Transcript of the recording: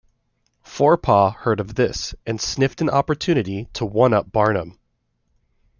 Forepaugh heard of this and sniffed an opportunity to one-up Barnum.